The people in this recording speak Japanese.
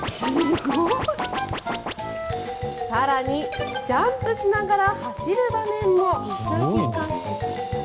更に、ジャンプしながら走る場面も。